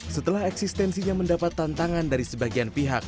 setelah eksistensinya mendapat tantangan dari sebagian pihak